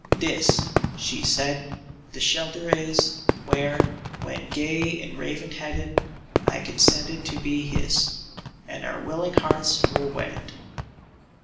"This," she said, "the shelter is, Where, when gay and raven headed, I consented to be his, And our willing hearts were wedded.